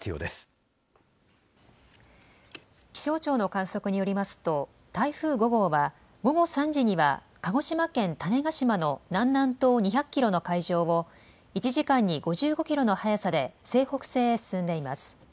気象庁の観測によりますと、台風５号は、午後３時には鹿児島県種子島の南南東２００キロの海上を、１時間に５５キロの速さで西北西へ進んでいます。